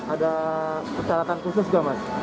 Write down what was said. ada persyaratan khusus nggak mas